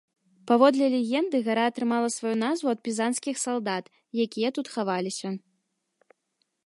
Паводле легенды гара атрымала сваю назву ад пізанскіх салдат, якія тут хаваліся.